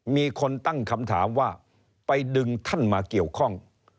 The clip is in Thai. มีคนตั้งคำถามว่าไปดึงท่านมาเกี่ยวข้อง